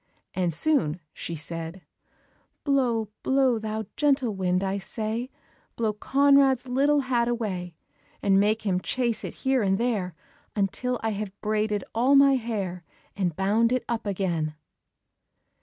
And soon she said, "Blow, blow, thou gentle wind, I say, Blow Conrad's little hat away, And make him chase it here and there, Until I have braided all my hair, And bound it up again."